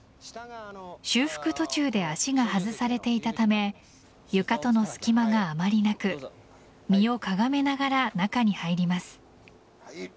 修復途中で足が外されていたため床との隙間があまりなく身をかがめながら中に入ります。